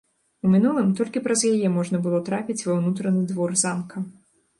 У мінулым толькі праз яе можна было трапіць ва ўнутраны двор замка.